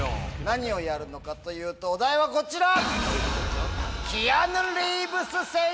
何をやるのかというとお題はこちら！